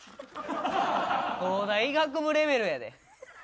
東大医学部レベルやで。